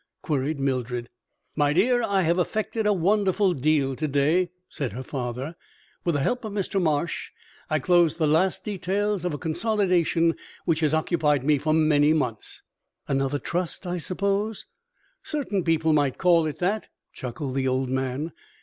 queried Mildred. "My dear, I have effected a wonderful deal to day," said her father. "With the help of Mr. Marsh, I closed the last details of a consolidation which has occupied me for many months." "Another trust, I suppose." "Certain people might call it that," chuckled the old man.